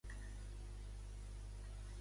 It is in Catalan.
Aquestes són línies roges per als treballadors.